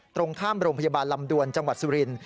ตรงข้ามโรงพยาบาลลำดวนจังหวัดสุรินทร์